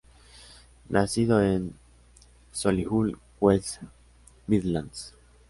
Nacido en Solihull, West Midlands.